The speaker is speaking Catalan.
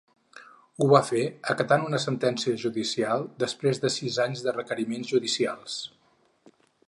Ho va fer acatant una sentència judicial després de sis anys de requeriments judicials.